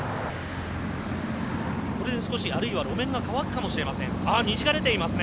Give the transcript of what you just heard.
これで少し路面が乾くかもしれません。